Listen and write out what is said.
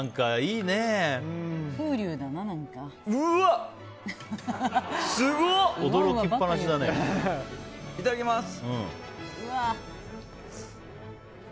いただきます。